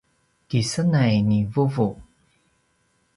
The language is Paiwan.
kisenay ni vuvu